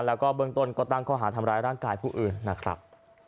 แล้วก็เบื้องต้นก็ตั้งข้อหาทำร้ายร่างกายผู้อื่นนะครับ